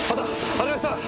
ありました！